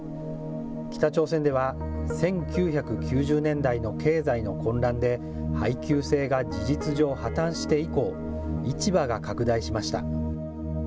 北朝鮮では、１９９０年代の経済の混乱で、配給制が事実上破綻して以降、市場が拡大しました。